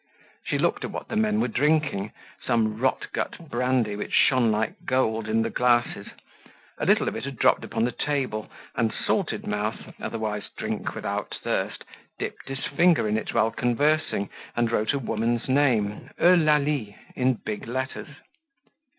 She looked at what the men were drinking, some rotgut brandy which shone like gold in the glasses; a little of it had dropped upon the table and Salted Mouth, otherwise Drink without Thirst, dipped his finger in it whilst conversing and wrote a woman's name—"Eulalie"—in big letters.